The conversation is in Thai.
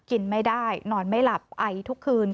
กินไม่ได้นอนไม่หลับไอทุกคืน